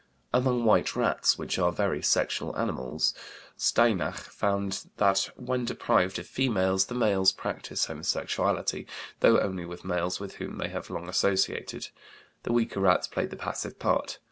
Among white rats, which are very sexual animals, Steinach found that, when deprived of females, the males practise homosexuality, though only with males with whom they have long associated; the weaker rats play the passive part.